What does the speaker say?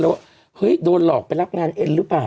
ว่าโดนหลอกไปรับงานเยนหรือเปล่า